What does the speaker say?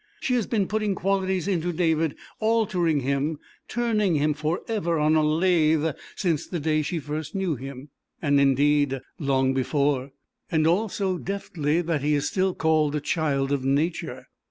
She has been putting qualities into David, altering him, turning him forever on a lathe since the day she first knew him, and indeed long before, and all so deftly that he is still called a child of nature.